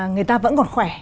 người ta vẫn còn khỏe